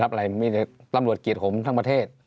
รับอะไรไม่ได้ตำรวจเกลียดผมทั้งประเทศ